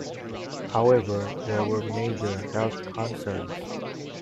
However, there were major health concerns.